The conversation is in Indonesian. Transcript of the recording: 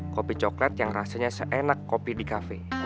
kopi coklat yang rasanya seenak kopi di kafe